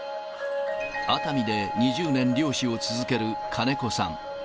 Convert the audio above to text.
熱海で２０年漁師を続ける金子さん。